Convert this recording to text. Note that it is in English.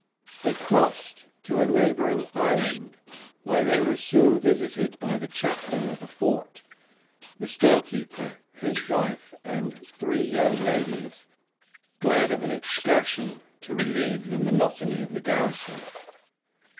They crossed to a neighboring island, where they were soon visited by the chaplain of the fort, the storekeeper, his wife, and three young ladies, glad of an excursion to relieve the monotony of the garrison.